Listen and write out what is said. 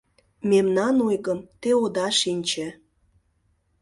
Мемнан ойгым те ода шинче